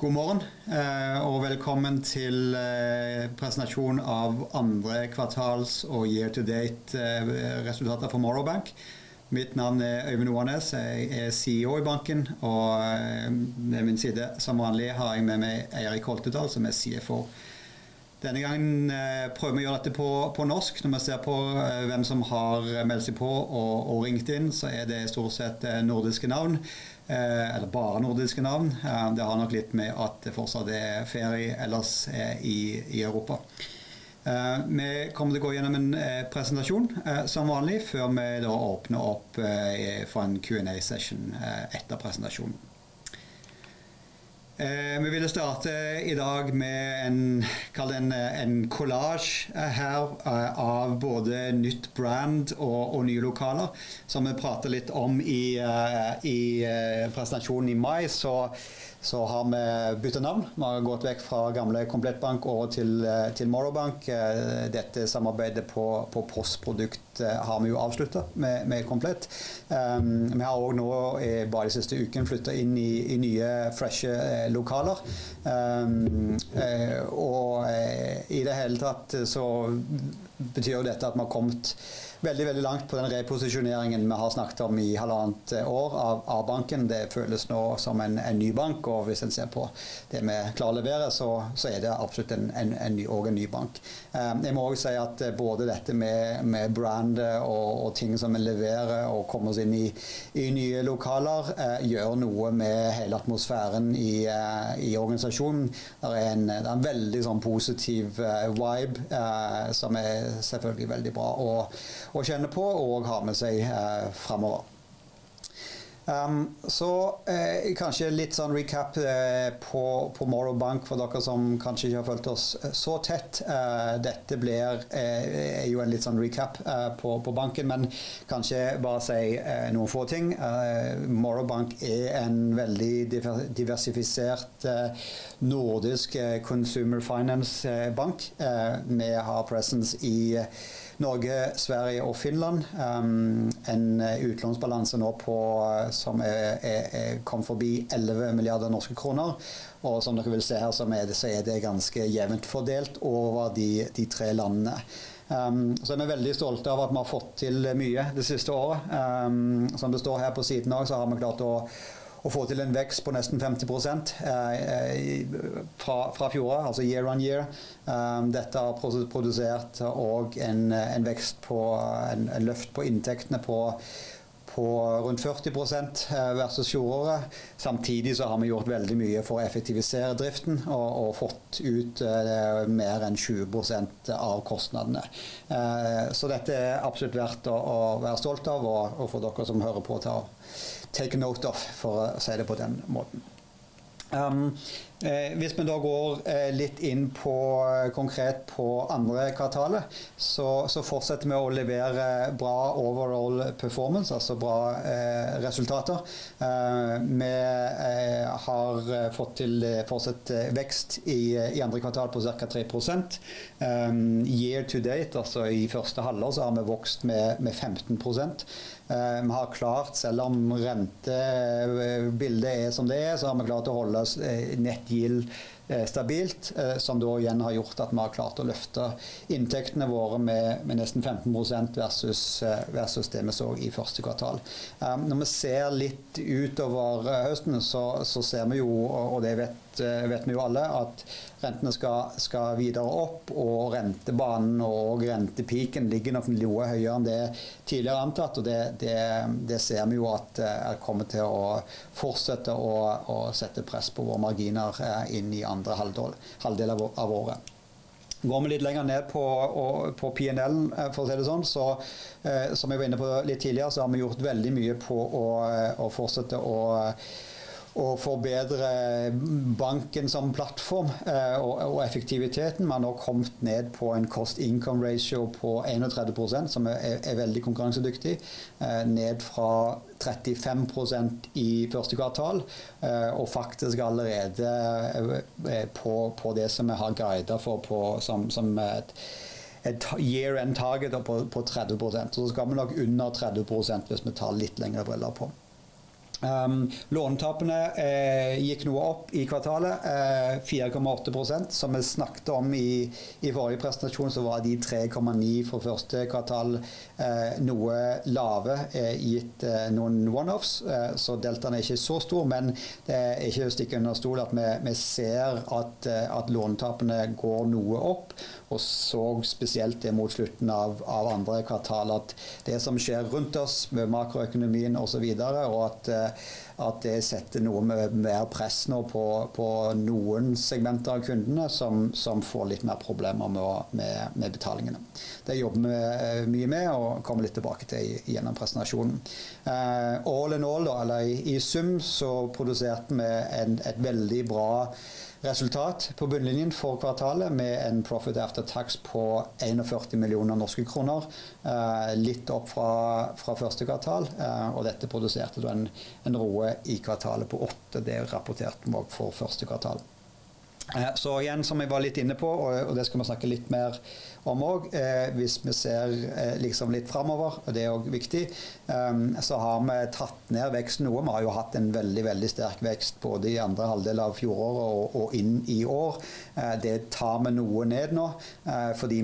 God morgen! Velkommen til presentasjonen av andre kvartals og year-to-date resultater for Morrow Bank. Mitt navn er Øyvind Oanes. Jeg er CEO i banken, og det er min side. Som vanlig har jeg med meg Eirik Holtedahl, som er CFO. Denne gangen prøver vi å gjøre dette på norsk. Når vi ser på hvem som har meldt seg på og ringt inn, så er det stort sett nordiske navn eller bare nordiske navn. Det har nok litt med at det fortsatt er ferie ellers i Europa. Vi kommer til å gå gjennom en presentasjon som vanlig, før vi da åpner opp for en Q&A session etter presentasjonen. Vi ville starte i dag med en kall det en kollasj her av både nytt brand og nye lokaler. Som vi pratet litt om i presentasjonen i Mai, så har vi byttet navn. Vi har gått vekk fra gamle Komplett Bank og til Morrow Bank. Dette samarbeidet på postprodukt har vi jo avsluttet med Komplett. Vi har også nå i bare de siste ukene flyttet inn i nye freshe lokaler. I det hele tatt så betyr jo dette at vi har kommet veldig, veldig langt på den reposisjoneringen vi har snakket om i 1.5 år av banken. Det føles nå som en ny bank, og hvis en ser på det vi klarer å levere så er det absolutt en ny og en ny bank. Jeg må også si at både dette med brandet og ting som vi leverer og komme oss inn i nye lokaler gjør noe med hele atmosfæren i organisasjonen. Det er en veldig positiv vibe som er selvfølgelig veldig bra å kjenne på og ha med seg fremover. Kanskje litt sånn recap på Morrow Bank for dere som kanskje ikke har fulgt oss så tett. Dette blir er jo en litt sånn recap på banken, men kanskje bare si noen få ting. Morrow Bank er en veldig diversifisert nordisk consumer finance bank. Vi har presence i Norge, Sverige og Finland. En utlånsbalanse nå på som er kom forbi 11 billion kroner. Som dere vil se her, så er det ganske jevnt fordelt over de tre landene. Vi er veldig stolte av at vi har fått til mye det siste året. Som det står her på siden her, så har vi klart å få til en vekst på nesten 50% fra fjoråret. year-over-year. Dette har produsert en vekst på en løft på inntektene på rundt 40% versus fjoråret. Samtidig så har vi gjort veldig mye for å effektivisere driften og fått ut mer enn 20% av kostnadene. Dette er absolutt verdt å være stolt av. For dere som hører på å ta take note of, for å si det på den måten. Hvis vi da går litt inn på konkret på 2. kvartal, så fortsetter vi å levere bra overall performance, altså bra resultater. Vi har fått til fortsatt vekst i 2. kvartal på cirka 3%. Year to date, altså i første halvår, så har vi vokst med 15%. Vi har klart, selv om rentebildet er som det er, så har vi klart å holde oss net yield stabilt. Da igjen har gjort at vi har klart å løfte inntektene våre med nesten 15% versus det vi så i første kvartal. Vi ser litt utover høsten, ser vi jo, og det vet vi jo alle at rentene skal videre opp og rentebanen og rentepeaken ligger nok noe høyere enn det tidligere antatt. Det ser vi jo at kommer til å fortsette å sette press på våre marginer inn i andre halvdel av året. Går vi litt lenger ned på PNLen for å si det sånn, som jeg var inne på litt tidligere, har vi gjort veldig mye på å fortsette å forbedre banken som plattform og effektiviteten. Vi har nå kommet ned på en Cost/income ratio på 31%, som er veldig konkurransedyktig. Ned fra 35% i first quarter. Faktisk allerede på det som vi har guidet for som et year end target på 30%. Skal vi nok under 30% hvis vi tar litt lengre briller på. Lånetapene gikk noe opp i kvartalet, 4.8%, som vi snakket om i forrige presentasjon, så var de 3.9 for first quarter noe lave i gitt noen one offs. Deltaet er ikke så stor, men det er ikke til å stikke under stol at vi ser at lånetapene går noe opp. Spesielt mot slutten av second quarter, at det som skjer rundt oss med makroøkonomien og så videre, og at det setter noe mer press nå på noen segmenter av kundene som får litt mer problemer med betalingene. Det jobber vi mye med og kommer litt tilbake til gjennom presentasjonen. All in all da eller i sum, så produserte vi et veldig bra resultat på bunnlinjen for kvartalet, med en profit etter tax på 41 million kroner. Litt opp fra første kvartal, og dette produserte da en ROE i kvartalet på 8%. Det rapporterte vi for første kvartal. Igjen, som jeg var litt inne på, og det skal vi snakke litt mer om og. Hvis vi ser liksom litt fremover, og det er og viktig, så har vi tatt ned veksten noe. Vi har jo hatt en veldig, veldig sterk vekst både i andre halvdel av fjoråret og, og inn i år. Det tar vi noe ned nå, fordi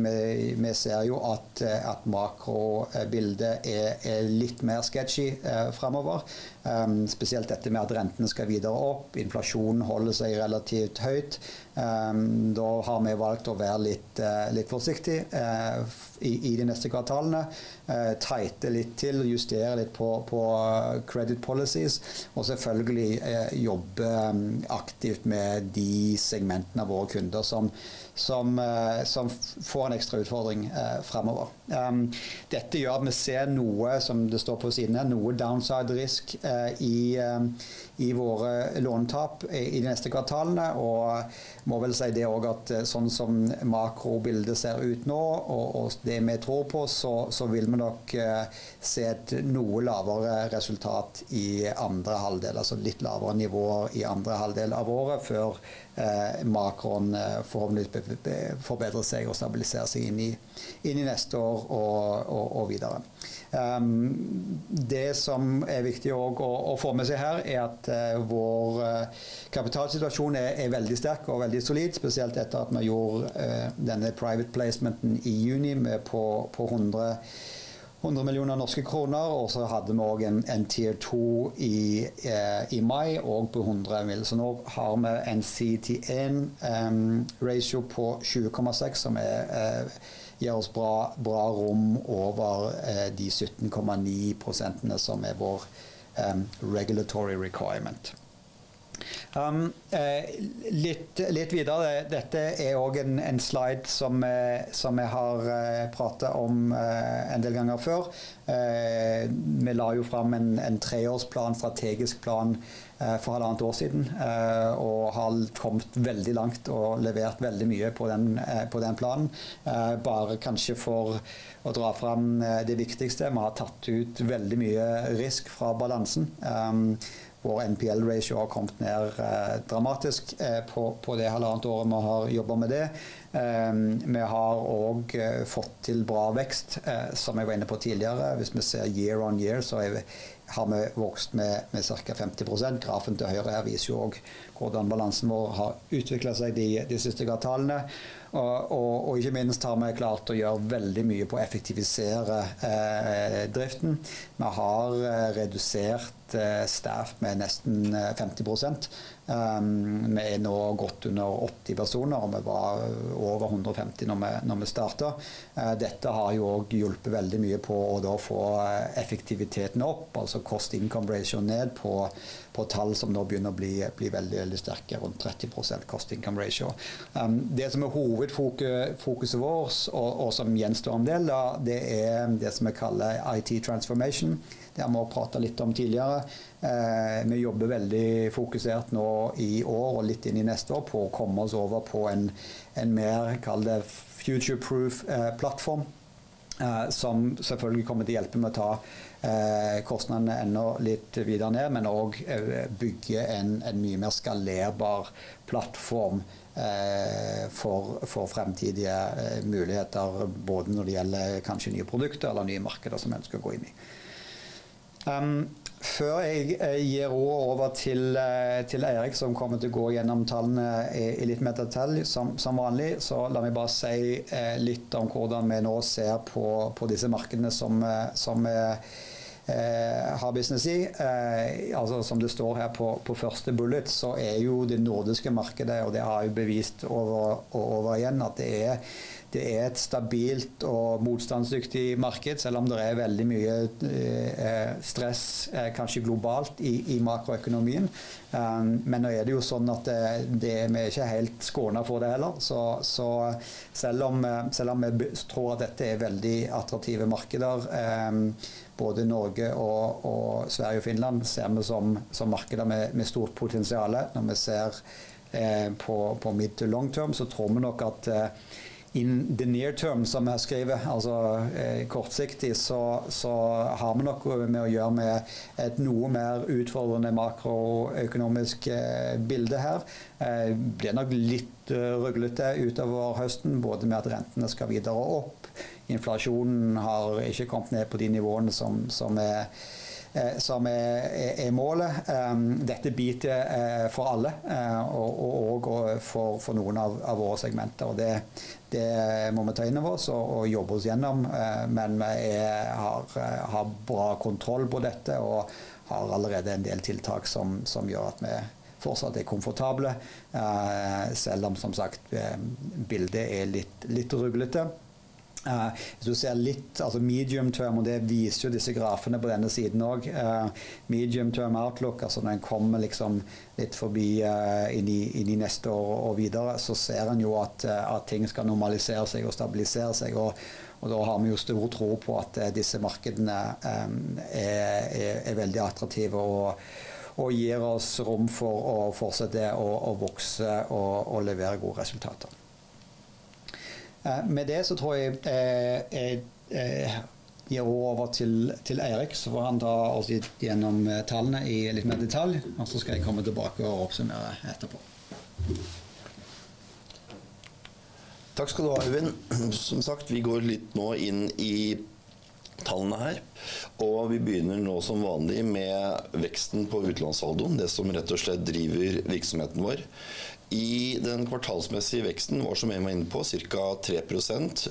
vi ser jo at makrobildet er litt mer sketchy fremover. Spesielt etter med at renten skal videre opp, inflasjonen holder seg relativt høyt. Da har vi valgt å være litt, litt forsiktig i, i de neste kvartalene. Teite litt til og justere litt på, på credit policies, og selvfølgelig jobbe aktivt med de segmentene av våre kunder som, som, som får en ekstra utfordring fremover. Dette gjør at vi ser noe som det står på siden her, noe downside risk i, i våre lånetap i de neste kvartalene. Må vel si det og, at sånn som makrobildet ser ut nå og, og det vi tror på, så, så vil vi nok se et noe lavere resultat i andre halvdel. Altså litt lavere nivåer i andre halvdel av året, før makroen forhåpentligvis forbedrer seg og stabiliserer seg inn i, inn i neste år og, og videre. Det som er viktig og å få med seg her, er at vår kapitalsituasjon er veldig sterk og veldig solid. Spesielt etter at vi gjorde denne private placement i juni med på 100 millioner NOK. Hadde vi en Tier 2 i mai, på 100 millioner NOK. Nå har vi en CET1 ratio på 20.6, som gir oss bra rom over de 17.9% som er vår regulatory requirement. Litt videre. Dette er en slide som jeg har pratet om en del ganger før. Vi la jo fram en treårsplan, strategisk plan for 1.5 år siden, og har kommet veldig langt og levert veldig mye på den planen. Bare kanskje for å dra fram det viktigste. Vi har tatt ut veldig mye risk fra balansen. Vår NPL ratio har kommet ned dramatisk på, på det 1.5 året vi har jobbet med det. Vi har også fått til bra vekst. Som jeg var inne på tidligere. Hvis vi ser year-over-year, så har vi vokst med, med cirka 50%. Grafen til høyre her viser jo også hvordan balansen vår har utviklet seg i de siste kvartalene. Ikke minst har vi klart å gjøre veldig mye på å effektivisere driften. Vi har redusert staff med nesten 50%. Vi er nå godt under 80 personer, og vi var over 150 når vi startet. Dette har jo også hjulpet veldig mye på å da få effektiviteten opp. Altså Cost/income ratio ned på, på tall som nå begynner å bli, bli veldig, veldig sterke. Rundt 30% Cost/income ratio. Det som er hovedfokus, fokuset vårt og som gjenstår en del da, det er det som jeg kaller IT transformation. Det har vi pratet litt om tidligere. Vi jobber veldig fokusert nå i år, og litt inn i neste år, på å komme oss over på en mer kall det future-proof plattform. Som selvfølgelig kommer til å hjelpe med å ta kostnadene enda litt videre ned, men og bygge en mye mer skalerbar plattform for fremtidige muligheter, både når det gjelder kanskje nye produkter eller nye markeder som vi ønsker å gå inn i. Før jeg gir ordet over til Eirik, som kommer til å gå gjennom tallene i litt mer detalj. Som vanlig, la meg bare si litt om hvordan vi nå ser på disse markedene som vi har business i. Som det står her på first bullet, det nordiske markedet, og det har jo bevist over og over igjen at det er et stabilt og motstandsdyktig marked, selv om det er veldig mye stress, kanskje globalt i makroøkonomien. Nå er det jo sånn at vi er ikke helt skånet for det heller. Selvom vi tror at dette er veldig attraktive markeder, både Norge og Sverige og Finland ser vi som markeder med stort potensiale. Når vi ser på, på mid to long term, så tror vi nok at i the near term som jeg skriver, altså kortsiktig, så, så har vi nok med å gjøre med et noe mer utfordrende makroøkonomisk bilde her. Blir nok litt ruglete utover høsten, både med at rentene skal videre opp, inflasjonen har ikke kommet ned på de nivåene som, som er, som er, er målet. Dette biter for alle, og, og også for, for noen av, av våre segmenter. Og det, det må vi ta inn over oss og jobbe oss gjennom. Men vi er, har, har bra kontroll på dette, og har allerede en del tiltak som, som gjør at vi fortsatt er komfortable. Selv om som sagt bildet er litt, litt ruglete. Hvis du ser litt, altså, medium term, og det viser jo disse grafene på denne siden og. Medium term outlook. Altså, når en kommer liksom litt forbi inn i, inn i neste år og videre, så ser en jo at, at ting skal normalisere seg og stabilisere seg. Da har vi jo stor tro på at disse markedene, er, er veldig attraktive og, og gir oss rom for å fortsette å, å vokse og, og levere gode resultater. Med det så tror jeg, jeg gir ordet over til, til Eirik Holtedahl, så får han ta oss gjennom tallene i litt mer detalj, og så skal jeg komme tilbake og oppsummere etterpå. Takk skal du ha, Øyvind! Som sagt, vi går litt nå inn i tallene her, og vi begynner nå som vanlig med veksten på utlånssaldoen. Det som rett og slett driver virksomheten vår. I den kvartalsmessige veksten vår, som jeg var inne på, cirka 3%.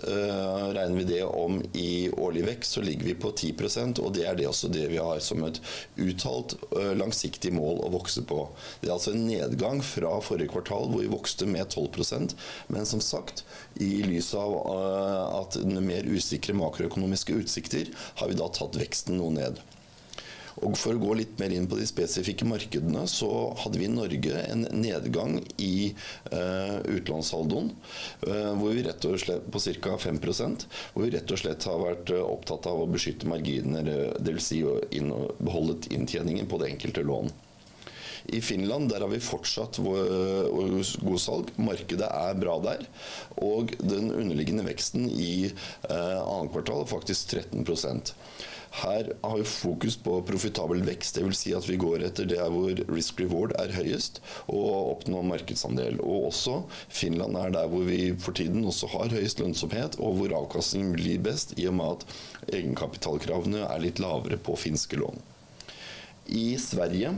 Regner vi det om i årlig vekst, så ligger vi på 10%. Og det er det også det vi har som et uttalt, langsiktig mål å vokse på. Det er altså en nedgang fra forrige kvartal, hvor vi vokste med 12%. Som sagt, i lys av, at mer usikre makroøkonomiske utsikter, har vi da tatt veksten noe ned. For å gå litt mer inn på de spesifikke markedene, så hadde vi i Norge en nedgang i utlånssaldoen, hvor vi rett og slett på cirka 5%, hvor vi rett og slett har vært opptatt av å beskytte marginene, det vil si å inneholde inntjeningen på det enkelte lånet. I Finland, der har vi fortsatt vår god salg. Markedet er bra der, og den underliggende veksten i second quarter er faktisk 13%. Her har vi fokus på profitabel vekst. Det vil si at vi går etter der hvor risk reward er høyest og oppnå markedsandel. Også Finland er der hvor vi for tiden også har høyest lønnsomhet og hvor avkastningen blir best, i og med at egenkapitalkravene er litt lavere på finske lån. I Sverige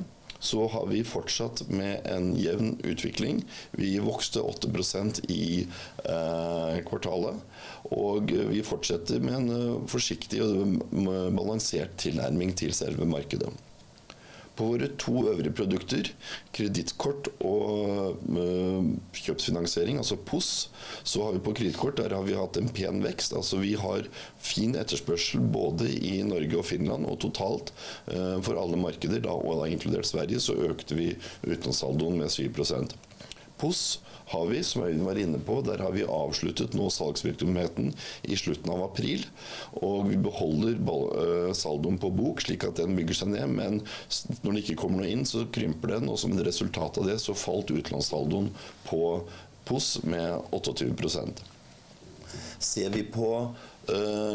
så har vi fortsatt med en jevn utvikling. Vi vokste 8% i kvartalet, vi fortsetter med en forsiktig og balansert tilnærming til selve markedet. På våre to øvrige produkter, kredittkort og, kjøpsfinansiering, altså POS. Har vi på kredittkort, der har vi hatt en pen vekst. Vi har fin etterspørsel både i Norge og Finland og totalt for alle markeder da, inkludert Sverige, økte vi utlånssaldoen med 7%. POS har vi, som Øyvind var inne på, der har vi avsluttet nå salgsvirksomheten i slutten av april, vi beholder saldoen på bok slik at den bygger seg ned. Når det ikke kommer noe inn, krymper den. Som et resultat av det falt utlånssaldoen på POS med 28%. Ser vi på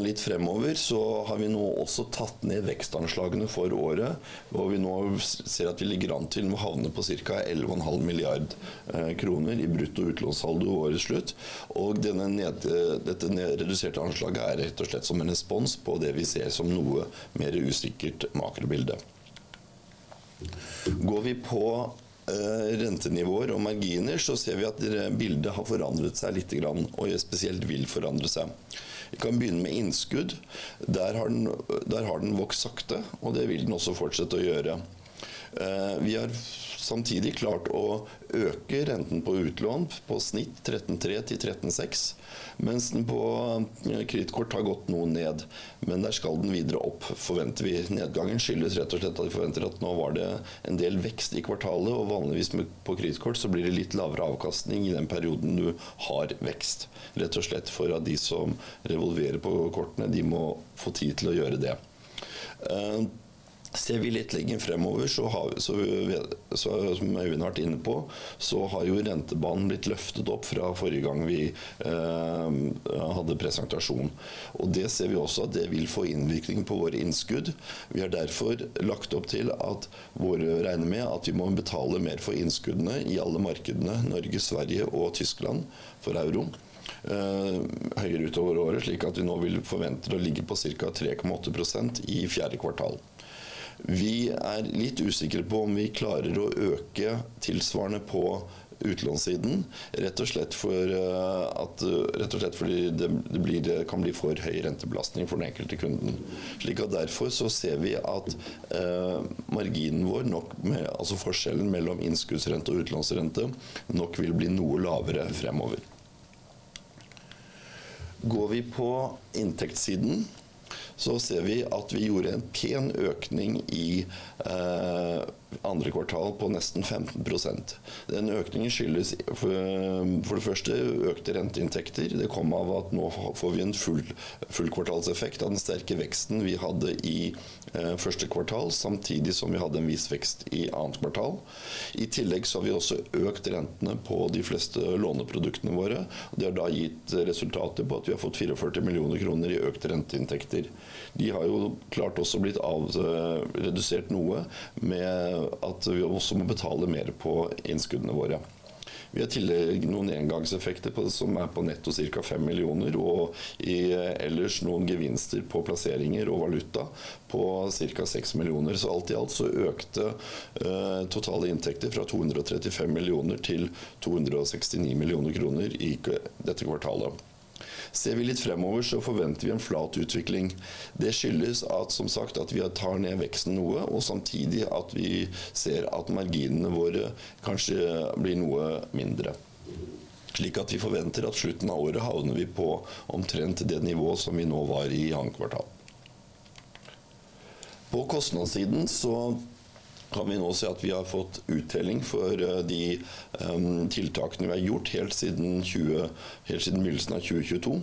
litt fremover, så har vi nå også tatt ned vekstanslagene for året, og vi nå ser at vi ligger an til å havne på cirka 11.5 milliarder kroner i brutto utlånssaldo ved årets slutt. Denne reduserte anslaget er rett og slett som en respons på det vi ser som noe mer usikkert makrobilde. Går vi på rentenivået og marginer, så ser vi at bildet har forandret seg littegrann og spesielt vil forandre seg. Vi kan begynne med innskudd. Der har den, der har den vokst sakte, og det vil den også fortsette å gjøre. Vi har samtidig klart å øke renten på utlån på snitt 13.3%-13.6%, mens den på kredittkort har gått noe ned. Der skal den videre opp, forventer vi. Nedgangen skyldes rett og slett at vi forventer at nå var det en del vekst i kvartalet, og vanligvis på kredittkort så blir det litt lavere avkastning i den perioden du har vekst. Rett og slett for at de som revolverer på kortene, de må få tid til å gjøre det. Ser vi litt lenger fremover, så har, så, så som Øyvind har vært inne på, så har jo rentebanen blitt løftet opp fra forrige gang vi hadde presentasjon. Det ser vi også at det vil få innvirkning på våre innskudd. Vi har derfor lagt opp til at våre regner med at vi må betale mer for innskuddene i alle markedene Norge, Sverige og Tyskland for euro. Høyere utover året, slik at vi nå vil forvente å ligge på cirka 3.8% i fourth quarter. Vi er litt usikre på om vi klarer å øke tilsvarende på utlånssiden, rett og slett fordi det kan bli for høy rentebelastning for den enkelte kunden. Slik at derfor så ser vi at marginen vår nok med, altså forskjellen mellom innskuddsrente og utlånsrente, nok vil bli noe lavere fremover. Går vi på inntektssiden, så ser vi at vi gjorde en pen økning i andre kvartal på nesten 15%. Den økningen skyldes, for det første økte renteinntekter. Det kom av at nå får vi en full kvartalseffekt av den sterke veksten vi hadde i første kvartal, samtidig som vi hadde en viss vekst i annet kvartal. I tillegg så har vi også økt rentene på de fleste låneproduktene våre. Det har da gitt resultatet på at vi har fått 44 million kroner i økte renteinntekter. De har jo klart også blitt avredusert noe med at vi også må betale mer på innskuddene våre. Vi har i tillegg noen engangseffekter på, som er på netto cirka 5 million og ellers noen gevinster på plasseringer og valuta på cirka 6 million. Alt i alt så økte totale inntekter fra NOK 235 million til NOK 269 million i dette kvartalet. Ser vi litt fremover så forventer vi en flat utvikling. Det skyldes at, som sagt, at vi tar ned veksten noe, og samtidig at vi ser at marginene våre kanskje blir noe mindre. Vi forventer at slutten av året havner vi på omtrent det nivået som vi nå var i annet kvartal. På kostnadssiden så kan vi nå se at vi har fått uttelling for de tiltakene vi har gjort helt siden midtelsen av 2022.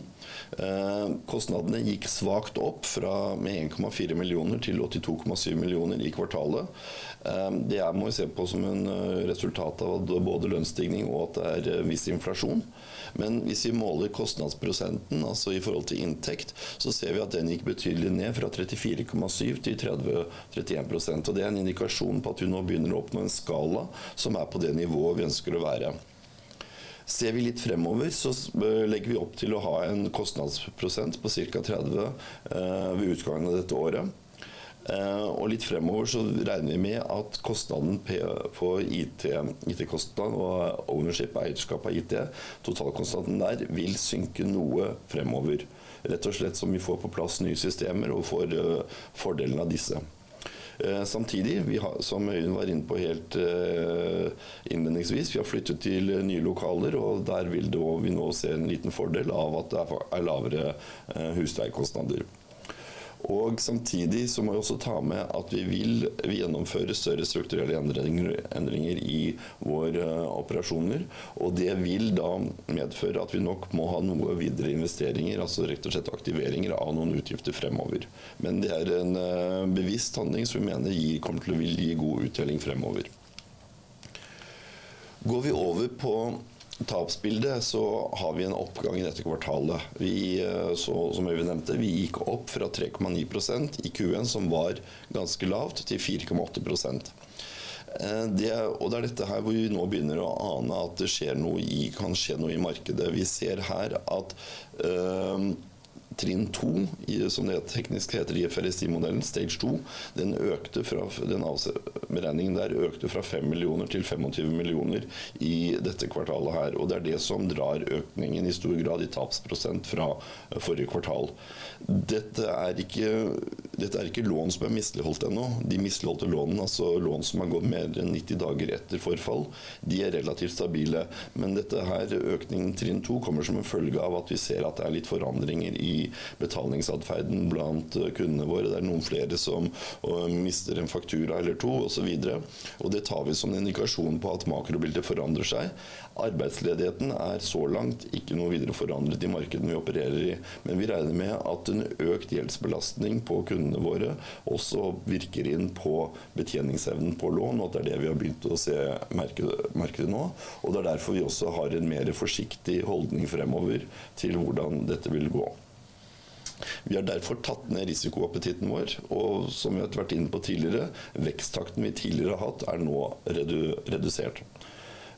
Kostnadene gikk svakt opp fra NOK 1.4 million til NOK 82.7 million i kvartalet. Det må vi se på som en resultat av både lønnsstigning og at det er viss inflasjon. Men hvis vi måler kostnadsprosenten, altså i forhold til inntekt, så ser vi at den gikk betydelig ned fra 34.7%-31%. Og det er en indikasjon på at vi nå begynner å oppnå en skala som er på det nivået vi ønsker å være. Ser vi litt fremover så legger vi opp til å ha en kostnadsprosent på cirka 30% ved utgangen av dette året. Litt fremover so regner vi med at kostnaden på IT, IT kostnad og ownership, eierskap av IT. Totalkostnaden der vil synke noe fremover. Rett og slett som vi får på plass nye systemer og får fordelen av disse. Vi har, som Øyvind var inne på helt innledningsvis, vi har flyttet til nye lokaler, og der vil da vi nå se en liten fordel av at det er lavere husleiekostnader. Samtidig so må vi også ta med at vi vil gjennomføre større strukturelle endringer, endringer i vår operasjoner. Det vil da medføre at vi nok må ha noe videre investeringer, altså rett og slett aktiveringer av noen utgifter fremover. Det er en bevisst handling som vi mener gir, kommer til å vil gi god uttelling fremover. Går vi over på tapsbildet so har vi en oppgang i dette kvartalet. Vi så, som Øyvind nevnte, vi gikk opp fra 3.9% i Q1, som var ganske lavt, til 4.8%. Det er dette her hvor vi nå begynner å ane at det skjer noe i, kan skje noe i markedet. Vi ser her at, trinn to i som det teknisk heter i FRC Model Stage 2. Den økte fra den beregningen der økte fra 5 million til 25 million i dette kvartalet her. Det er det som drar økningen i stor grad i tapsprosent fra forrige kvartal. Dette er ikke, dette er ikke lån som er misligholdt ennå. De misligholdte lånene, altså lån som har gått mer enn 90 dager etter forfall. De er relativt stabile, men dette her. Økningen i Stage 2 kommer som en følge av at vi ser at det er litt forandringer i betalingsatferden blant kundene våre. Det er noen flere som mister en faktura eller to og så videre, og det tar vi som en indikasjon på at makrobildet forandrer seg. Arbeidsledigheten er så langt ikke noe videre forandret i markedet vi opererer i, men vi regner med at en økt gjeldsbelastning på kundene våre også virker inn på betjeningsevnen på lån, og at det er det vi har begynt å se merke, merke nå. Det er derfor vi også har en mer forsiktig holdning fremover til hvordan dette vil gå. Vi har derfor tatt ned risikoappetitten vår. Som vi har vært inne på tidligere, veksttakten vi tidligere har hatt er nå redusert,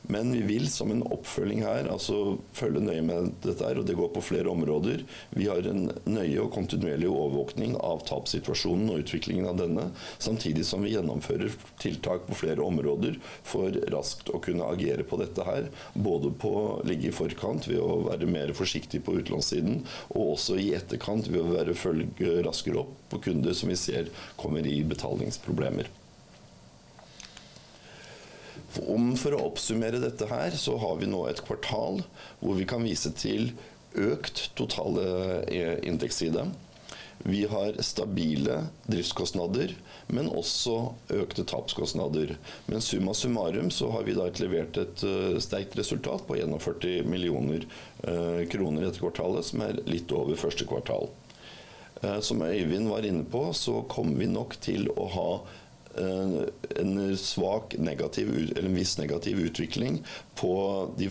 redusert. Vi vil som en oppfølging her, altså følge nøye med dette her, og det går på flere områder. Vi har en nøye og kontinuerlig overvåkning av tapssituasjonen og utviklingen av denne, samtidig som vi gjennomfører tiltak på flere områder for raskt å kunne agere på dette her. Både på å ligge i forkant ved å være mer forsiktig på utlånssiden og også i etterkant ved å være følge raskere opp på kunder som vi ser kommer i betalingsproblemer. For å oppsummere dette her, så har we nå et kvartal hvor vi kan vise til økt totale inntektsside. Vi har stabile driftskostnader, men også økte tapskostnader. Summa summarum så har vi da levert et sterkt resultat på 41 million kroner i dette kvartalet, som er litt over first quarter. Som Øyvind var inne på, så kommer vi nok til å ha en svak negativ eller viss negativ utvikling på de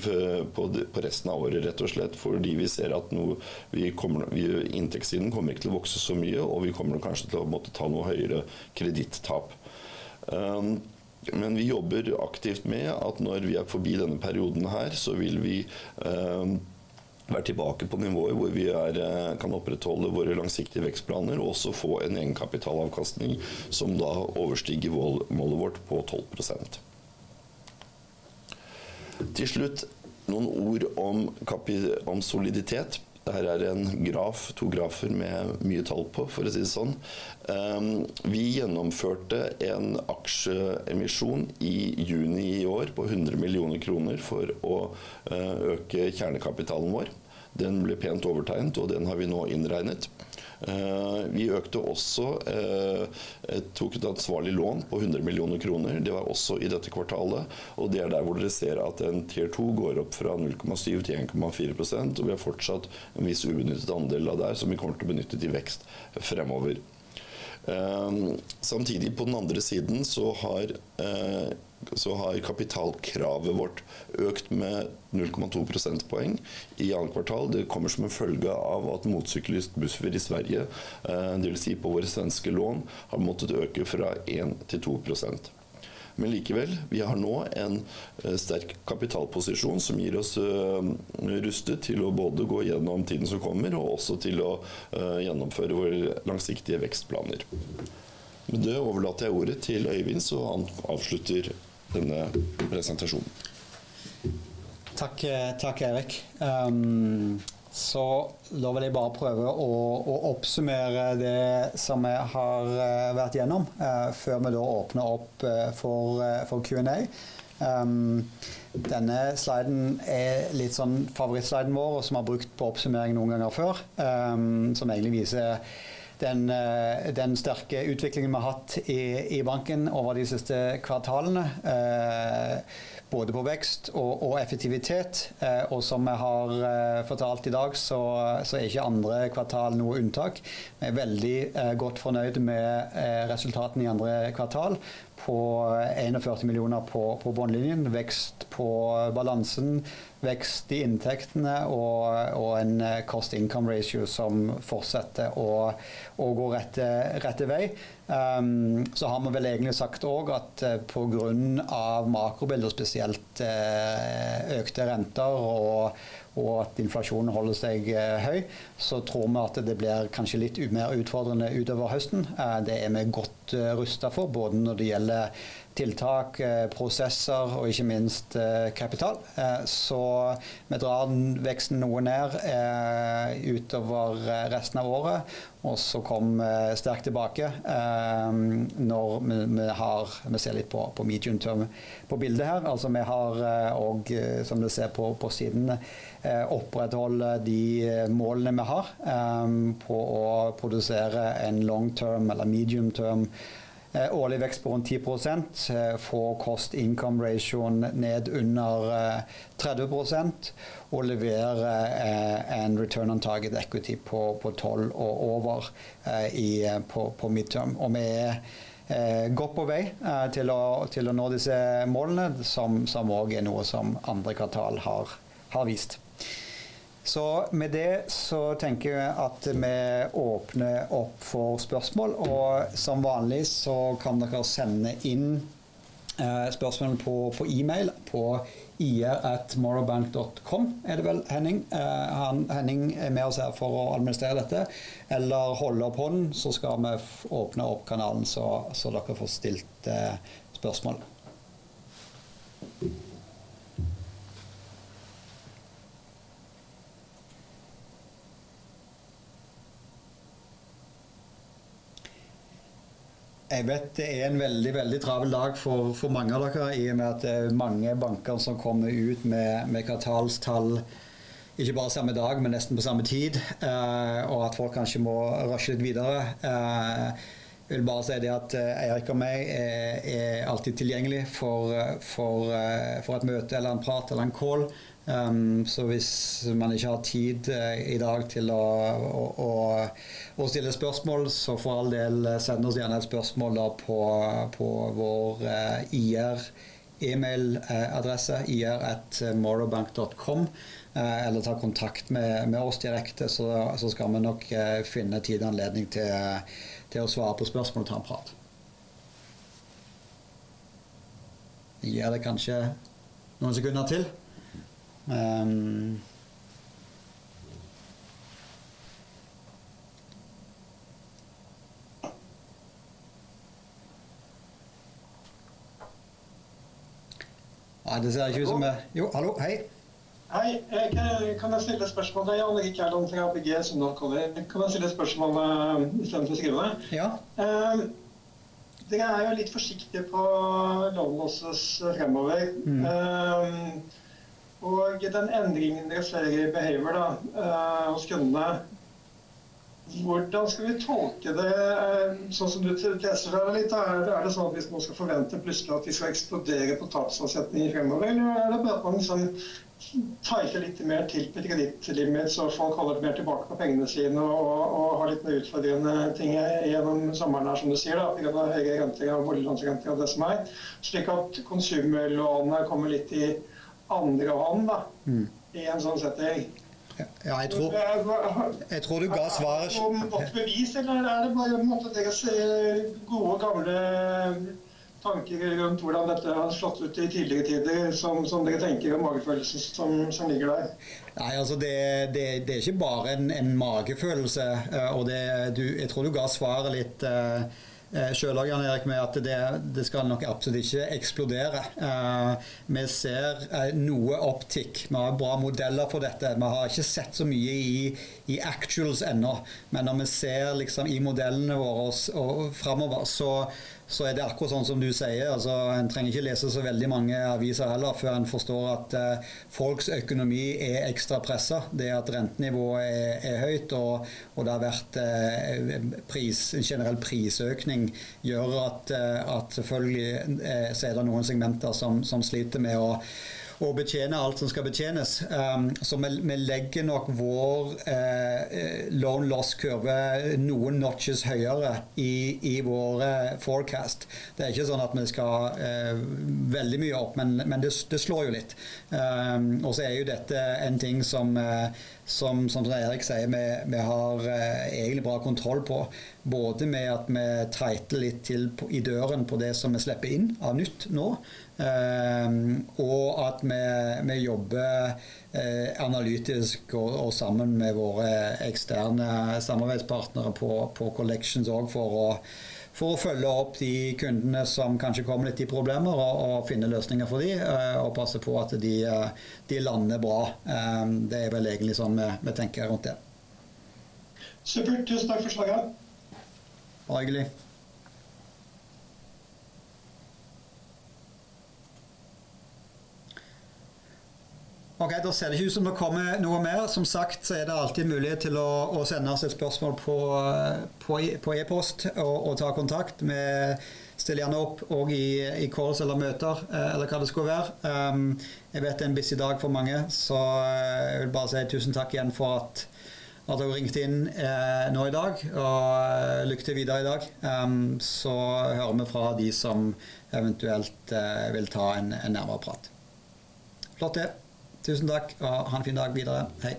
på, på resten av året, rett og slett fordi vi ser at nå vi kommer, vi inntektssiden kommer ikke til å vokse så mye, og vi kommer nok kanskje til å måtte ta noe høyere kredittap. Vi jobber aktivt med at når vi er forbi denne perioden her, så vil vi være tilbake på nivået hvor vi er, kan opprettholde våre langsiktige vekstplaner og også få en egenkapitalavkastning som da overstiger vår målet vårt på 12%. Til slutt noen ord om soliditet. Det her er en graf, 2 graphs med mye tall på, for å si det sånn. Vi gjennomførte en aksjeemisjon i June this year på 100 million kroner for å øke kjernekapitalen vår. Den ble pent overtegnet, den har vi nå innregnet. Vi økte også, tok et ansvarlig lån på 100 million kroner. Det var også i dette kvartalet, det er der hvor dere ser at en Tier 2 går opp fra 0.7% til 1.4%. Vi har fortsatt en viss ubenyttet andel av det her som vi kommer til å benytte til vekst fremover. Samtidig, på den andre siden så har kapitalkravet vårt økt med 0.2 prosentpoeng i annet kvartal. Det kommer som en følge av at motsyklisk buffer i Sverige, det vil si på våre svenske lån, har måttet øke fra 1%-2%. Likevel, vi har nå en sterk kapitalposisjon som gir oss rustet til å både gå gjennom tiden som kommer og også til å gjennomføre våre langsiktige vekstplaner. Med det overlater jeg ordet til Øyvind, han avslutter denne presentasjonen. Takk! Takk, Eirik. Da vil jeg bare prøve å, å oppsummere det som jeg har vært gjennom, før vi da åpner opp for, for Q and A. Denne sliden er litt sånn favorittsliden vår, og som vi har brukt på oppsummeringen noen ganger før. Som egentlig viser den, den sterke utviklingen vi har hatt i banken over de siste kvartalene, både på vekst og, og effektivitet. Som jeg har fortalt i dag, så er ikke andre kvartal noe unntak. Vi er veldig godt fornøyd med, resultatet i andre kvartal på 41 million på, på bunnlinjen. Vekst på balansen, vekst i inntektene og, og en Cost/income ratio som fortsetter å, å gå rette, rette vei. Har vi vel egentlig sagt også at på grunn av makrobildet og spesielt, økte renter og, og at inflasjonen holder seg høy, tror vi at det blir kanskje litt mer utfordrende utover høsten. Det er vi godt rustet for, både når det gjelder tiltak, prosesser og ikke minst kapital. Vi drar veksten noe ned utover resten av året, og så komme sterkt tilbake, når vi, vi ser litt på på medium term på bildet her. Altså, vi har og som du ser på, på sidene, opprettholde de målene vi har, på å produsere en long term eller medium term, årlig vekst på rundt 10%. Få Cost/income ratioen ned under 30% og levere en return on target equity på, på 12 og over i på, på midterm. Vi er godt på vei til å nå disse målene. Som også er noe som andre kvartal har vist. Med det så tenker jeg at vi åpner opp for spørsmål. Som vanlig så kan dere sende inn spørsmål på e-mail på ir@morrowbank.com. Er det vel Henning? Henning er med oss her for å administrere dette eller holde opp hånden, så skal vi åpne opp kanalen så dere får stilt spørsmål. Jeg vet det er en veldig, veldig travel dag for mange av dere, i og med at det er mange banker som kommer ut med kvartalstall. Ikke bare samme dag, men nesten på samme tid, og at folk kanskje må rushe litt videre. Jeg vil bare si det at Eirik og meg er, er alltid tilgjengelig for, for, for et møte eller en prat eller en call. Hvis man ikke har tid i dag til å, å, å stille spørsmål, så for all del, send oss gjerne et spørsmål da på, på vår IR e-mail adresse ir@morrowbank.com. Eller ta kontakt med, med oss direkte, så, så skal vi nok finne tid og anledning til, til å svare på spørsmål og ta en prat. Vi gir det kanskje noen sekunder til. Nei, det ser ikke ut som det. Jo. Hallo, hei! Hei, kan jeg stille spørsmål til Jan Erik Lande fra APG som nå kommer inn. Kan jeg stille spørsmål med istedenfor å skrive? Ja. Dere er jo litt forsiktige på loan losses fremover. Den endringen dere ser behaved da, og skjønne. Hvordan skal we tolke det? Sånn som du tegneserien litt, er det, er det sånn at hvis man skal forvente plutselig at de skal eksplodere på tapsavsetninger fremover? Er det bare at man liksom tighter litt mer til på kredittlimitet, så folk holder mer tilbake på pengene sine og, og har litt mer utfordrende ting gjennom sommeren her som du sier da, at det kan være høyere rente og boliglånsrente og disse her, slik at konsumlånene kommer litt i andre hånd da. Mm. I en sånn setting. Ja, jeg tror, jeg tror du ga svaret. Bevis, eller er det bare en måte at jeg ser gode gamle tanker rundt hvordan dette har slått ut i tidligere tider som, som dere tenker og magefølelsen som, som ligger der? Nei, det er ikke bare en magefølelse, jeg tror du ga svaret litt selv lagene, Jan Erik, med at det skal nok absolutt ikke eksplodere. Vi ser noe opptikk. Vi har bra modeller for dette. Vi har ikke sett så mye i actuals enda, men når vi ser i modellene våre og fremover, så er det akkurat sånn som du sier. En trenger ikke lese så veldig mange aviser heller før en forstår at folks økonomi er ekstra presset. Det at rentenivået er høyt og det har vært pris, generell prisøkning gjør at selvfølgelig så er det noen segmenter som sliter med å betjene alt som skal betjenes. Vi legger nok vår loan loss kurve noen notches høyere i våre forecast. Det er ikke sånn at vi skal veldig mye opp, men det slår jo litt. Er jo dette en ting som Eirik sier, vi har egentlig bra kontroll på, både med at vi treiter litt til i døren på det som vi slipper inn av nytt nå, og at vi jobber analytisk og sammen med våre eksterne samarbeidspartnere på collections og for å følge opp de kundene som kanskje kommer litt i problemer og finne løsninger for de og passe på at de lander bra. Det er vel egentlig sånn vi tenker rundt det. Supert! Tusen takk for slaget. Bare hyggelig. Okay, da ser det ikke ut som det kommer noe mer. Som sagt så er det alltid mulighet til å, å sende oss et spørsmål på, på, på e-post og, og ta kontakt. Vi stiller gjerne opp og i, i calls eller møter, eller hva det skulle være. Jeg vet det er en travel dag for mange, så jeg vil bare si tusen takk igjen for at, at dere ringte inn nå i dag og lykke til videre i dag, så hører vi fra de som eventuelt vil ta en nærmere prat. Flott det! Tusen takk og ha en fin dag videre. Hei!